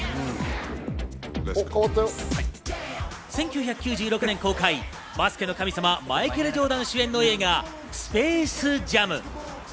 １９９６年公開、バスケの神様マイケル・ジョーダンが主演の映画『スペース・ジャム』。